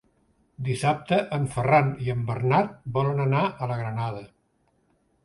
Dissabte en Ferran i en Bernat volen anar a la Granada.